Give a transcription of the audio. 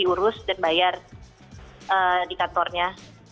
diurus dan bayar di kantornya